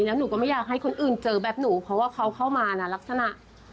แล้วหนูก็ไม่อยากให้คนอื่นเจอแบบหนูเพราะว่าเขาเข้ามานะลักษณะ